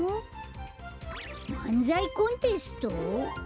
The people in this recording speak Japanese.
まんざいコンテスト？